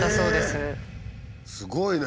すごいね。